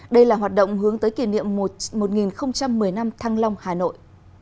đây là hoạt động hướng tới kỷ niệm một nghìn một mươi năm thăng long hà nội